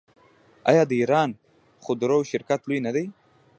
آیا د ایران خودرو شرکت لوی نه دی؟